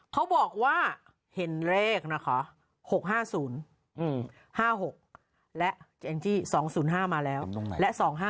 เขาบอกว่าเห็นเลขนะคะ๖๕๐๕๖และแองจี้๒๐๕มาแล้วและ๒๕๖